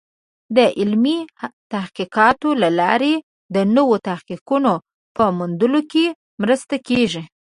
د علمي تحقیقاتو له لارې د نوو حقیقتونو په موندلو کې مرسته کېږي.